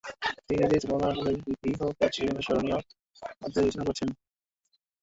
তিনি নিজেই সলিমুল্লাহ হলের ভিপি হওয়াকে জীবনের স্মরণীয় অধ্যায় বিবেচনা করেছেন।